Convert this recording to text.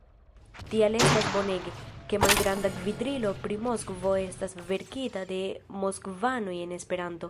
Tial estas bonege, ke Malgranda gvidlibro pri Moskvo estas verkita de moskvanoj en Esperanto.